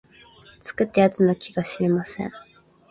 作った奴の気が知れません